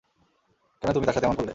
কেন তুমি তার সাথে এমন করলে?